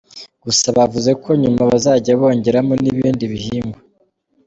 Gusa bavuze ko nyuma bazajya bongeramo n’ibindi bihingwa.